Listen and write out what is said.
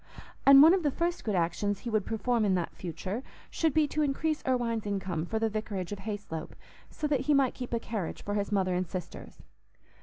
And one of the first good actions he would perform in that future should be to increase Irwine's income for the vicarage of Hayslope, so that he might keep a carriage for his mother and sisters.